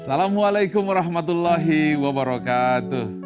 assalamualaikum warahmatullahi wabarakatuh